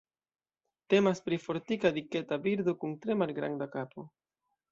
Temas pri fortika diketa birdo kun tre malgranda kapo.